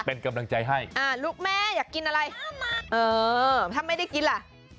เป็นกำลังใจให้อ่าลูกแม่อยากกินอะไรห้ามมัดเออถ้าไม่ได้กินล่ะ